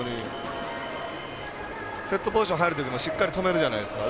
セットポジション入るときもしっかり止めるじゃないですか。